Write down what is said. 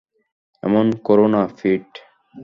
এমন কোরো না পিট।